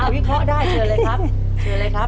เอาวิเคราะห์ได้เชิญเลยครับ